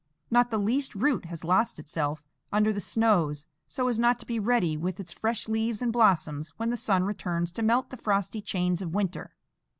Not the least root has lost itself under the snows, so as not to be ready with its fresh leaves and blossoms when the sun returns to melt the frosty chains of winter.